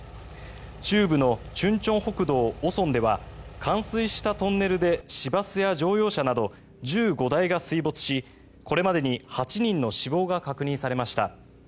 中部の忠清北道五松では冠水したトンネルで市バスや乗用車など１５台が水没しこれまでに８人の死亡が確認されました。